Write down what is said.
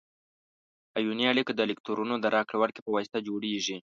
ایوني اړیکه د الکترونونو د راکړې ورکړې په واسطه جوړیږي.